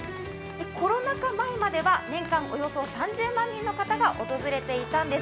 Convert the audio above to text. コロナ禍前までは年間およそ３０万人の方が訪れていました。